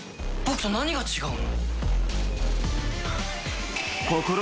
僕と何が違うの。